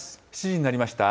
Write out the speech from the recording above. ７時になりました。